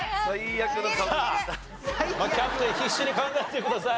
さあキャプテン必死に考えてください。